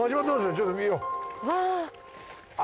ちょっと見よう。